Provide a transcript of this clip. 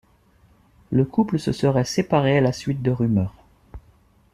Le couple se serait séparé à la suite de rumeurs.